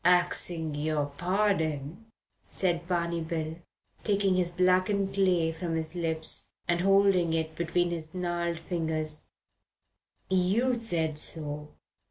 "Axing your pardon," said Barney Bill, taking his blackened clay from his lips and holding it between his gnarled fingers, "you said so.